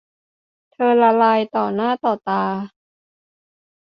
เธอละลายต่อหน้าต่อตา